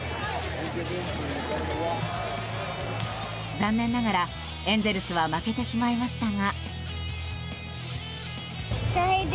残念ながらエンゼルスは負けてしまいましたが。